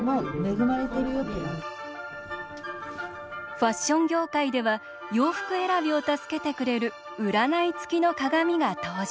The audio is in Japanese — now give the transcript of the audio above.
ファッション業界では洋服選びを助けてくれる占いつきの鏡が登場。